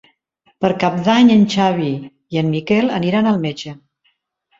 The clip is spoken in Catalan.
Per Cap d'Any en Xavi i en Miquel aniran al metge.